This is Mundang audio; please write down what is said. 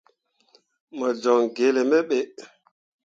Mo joŋ gelle me ɓe.